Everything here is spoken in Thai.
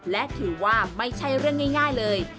และถือว่าไม่ใช่เรื่องง่ายเลย